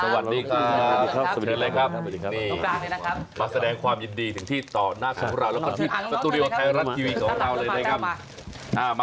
สวัสดีครับ